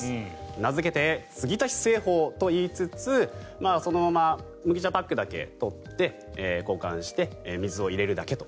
名付けて継ぎ足し製法と言いつつそのまま麦茶パックだけ取って交換して水を入れるだけと。